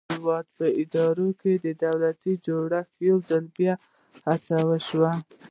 د هېواد په اداري دولتي جوړښت کې یو ځل بیا هڅه وشوه.